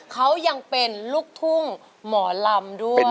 เขายังเป็นลูกทุ่งหมอลำด้วย